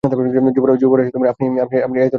যুবরাজ আপনি এতরাত্রে এখানে যে?